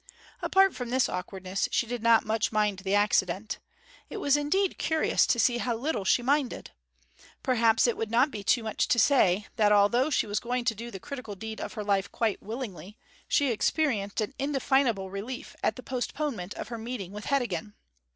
Apart from this awkwardness she did not much mind the accident. It was indeed curious to see how little she minded. Perhaps it would not be too much to say that, although she was going to do the critical deed of her life quite willingly, she experienced an indefinable relief at the postponement of her meeting with Heddegan.